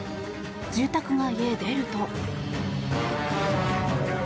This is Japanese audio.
住宅街へ出ると。